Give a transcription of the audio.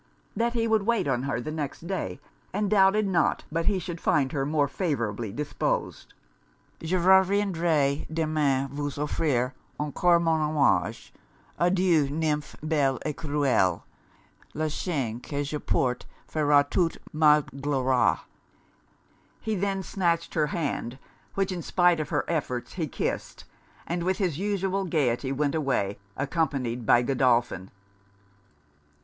That he would wait on her the next day, and doubted not but he should find her more favourably disposed. '_Je reviendrai demain vous offrir encore mon hommage. Adieu! nymphe belle et cruelle. La chaine que je porte fera toute ma gloire._' He then snatched her hand, which in spite of her efforts he kissed, and with his usual gaiety went away, accompanied by Godolphin.